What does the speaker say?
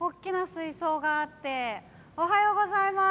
おはようございます！